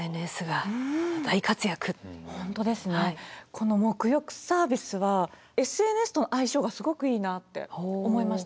このもく浴サービスはＳＮＳとの相性がすごくいいなって思いました。